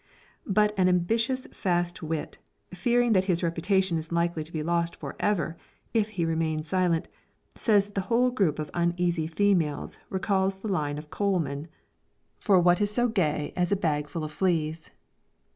But an ambitious fast wit, fearing that his reputation is likely to be lost forever, if he remain silent, says that the whole group of uneasy females recalls the line of Coleman, "For what is so gay as a bag full of fleas."